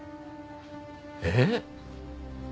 えっ？